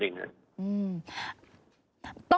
อืม